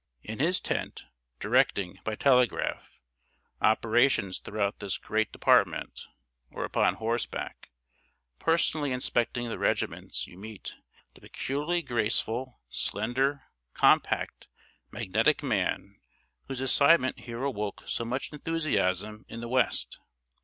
In his tent, directing, by telegraph, operations throughout this great department, or upon horseback, personally inspecting the regiments, you meet the peculiarly graceful, slender, compact, magnetic man whose assignment here awoke so much enthusiasm in the West.